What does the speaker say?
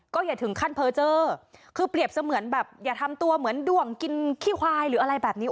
อย่าถึงขั้นเพอร์เจอคือเปรียบเสมือนแบบอย่าทำตัวเหมือนด่วงกินขี้ควายหรืออะไรแบบนี้